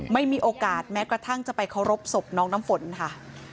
ไม่มีโอกาสแม้กระทั่งจะไปเคารพศพน้องน้ำฝนค่ะ